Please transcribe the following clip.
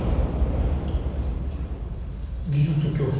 技術教室？